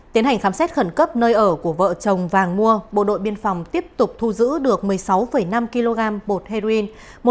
tiến hành khám xét khẩn cấp nơi ở của vợ chồng vàng mua bộ đội biên phòng tiếp tục thu giữ được một mươi sáu năm kg bột heroin